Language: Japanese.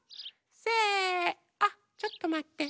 せあっちょっとまって。